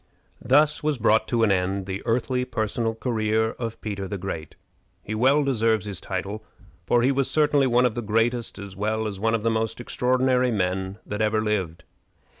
Thus was brought to an end the earthly personal career of Peter the Great. He well deserves his title, for he was certainly one of the greatest as well as one of the most extraordinary men that ever lived.